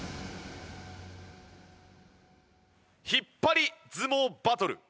引っ張り相撲バトル。